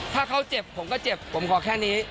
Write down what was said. ถ้าเขาเจ็บผมก็เจ็บผมขอแค่นี้